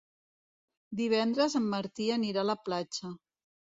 Divendres en Martí anirà a la platja.